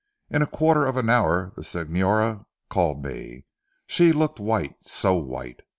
In a quarter of an hour the Signora called me. She looked white, so white.